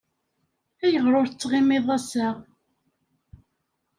Ayɣer ur tettɣimiḍ ass-a?